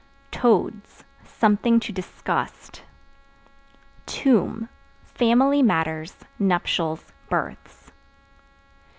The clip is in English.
Toads Something to disgust. Tomb Family matters, nuptials, births.